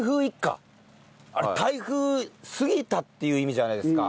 あれ「台風過ぎた」っていう意味じゃないですか。